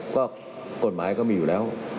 ก็กฎหมายก็มีอยู่แล้ว